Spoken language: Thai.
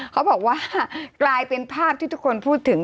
เขาบอกว่ากลายเป็นภาพที่ทุกคนพูดถึง